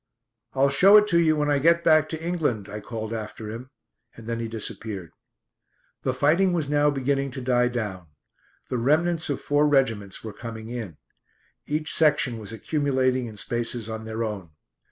"I'll show it to you when I get back to England," I called after him, and then he disappeared. The fighting was now beginning to die down. The remnants of four regiments were coming in. Each section was accumulating in spaces on their own.